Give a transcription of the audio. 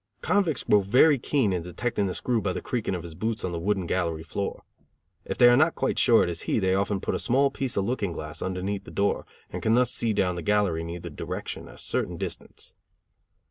Convicts grow very keen in detecting the screw by the creaking of his boots on the wooden gallery floor; if they are not quite sure it is he, they often put a small piece of looking glass underneath the door, and can thus see down the gallery in either direction a certain distance.